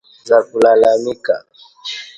za kulalamika